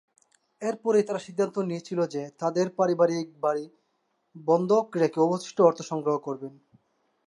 এরপরেই তারা সিদ্ধান্ত নিয়েছিলেন যে তাদের পারিবারিক বাড়ি বন্ধক রেখে অবশিষ্ট অর্থ সংগ্রহ করবেন।